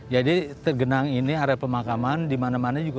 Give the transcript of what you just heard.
jadi tergenang ini areal pemakaman dimana mana juga